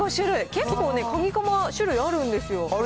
結構かにかま、種類あるんですよ。